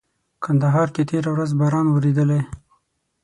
کندهار کي تيره ورځ باران ووريدلي.